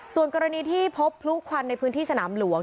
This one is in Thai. ส่วนกรณีที่พบพลุควันในพื้นที่สนามหลวง